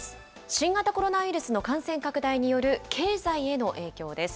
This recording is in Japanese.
新型コロナウイルスの感染拡大による経済への影響です。